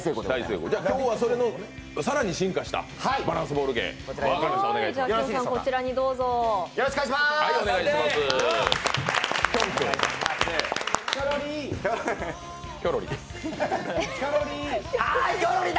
今日はそれの更に進化したバランスボール芸、分かりました。